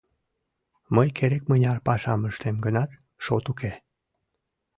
Мый керек-мыняр пашам ыштем гынат, шот уке...